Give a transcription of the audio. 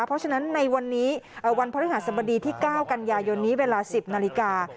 เพราะฉะนั้นในวันนี้วันพฤหัสบดีที่๙กันยายนนี้เวลา๑๐นาฬิกา